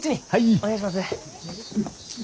お願いします。